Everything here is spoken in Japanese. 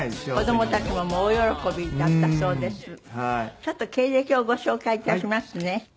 ちょっと経歴をご紹介致しますね。